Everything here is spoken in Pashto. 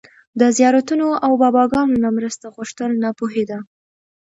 د زيارتونو او باباګانو نه مرسته غوښتل ناپوهي ده